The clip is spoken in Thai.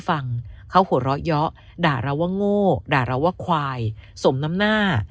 ฟังเขาหัวเราะเยอะด่าเราว่าโง่ด่าเราว่าควายสมน้ำหน้า